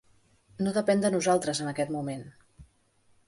No depèn de nosaltres, en aquest moment.